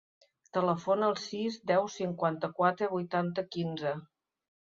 Telefona al sis, deu, cinquanta-quatre, vuitanta, quinze.